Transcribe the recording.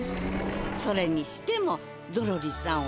それにしてもゾロリさん